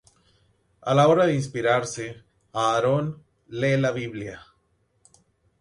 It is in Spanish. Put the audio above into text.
A la hora de inspirarse, Aaron lee la Biblia.